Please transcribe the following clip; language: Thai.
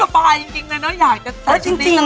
เป็นชุดไม่สบายจริงเลยนะ